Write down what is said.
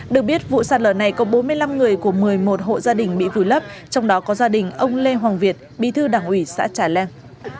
được biết vụ sạt lở này có bốn mươi năm người của một mươi một hộ gia đình bị vùi lấp trong đó có gia đình ông lê hoàng việt bí thư đảng ủy xã trà leng